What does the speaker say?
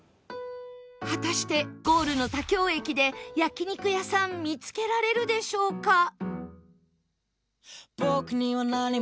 果たしてゴールの田京駅で焼肉屋さん見つけられるでしょうか？